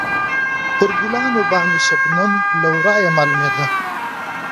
پر ګلانو باندې شبنم له ورایه معلومېده.